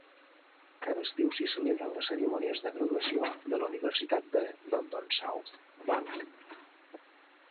Cada estiu s'hi celebren les cerimònies de graduació de la Universitat de London South Bank.